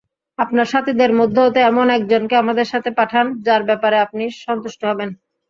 আপনার সাথীদের মধ্য হতে এমন একজনকে আমাদের সাথে পাঠান যার ব্যাপারে আপনি সন্তুষ্ট হবেন।